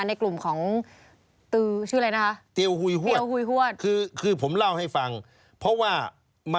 ในกลุ่มของชื่ออะไรนะครับ